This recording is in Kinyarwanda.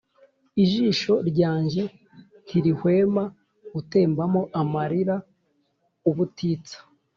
Ijisho ryanjye ntirihwema gutembamo amarira ubutitsa,